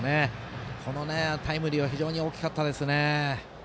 このタイムリーは非常に大きかったですね。